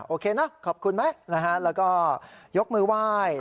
โอเคนะขอบคุณไหมนะฮะแล้วก็ยกมือไหว้